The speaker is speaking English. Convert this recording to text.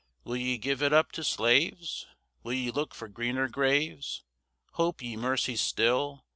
Will ye give it up to slaves? Will ye look for greener graves? Hope ye mercy still?